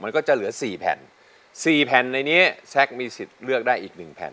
มันก็จะเหลือ๔แผ่น๔แผ่นในเนี้ยแซกมีสิทธิ์เลือกได้อีก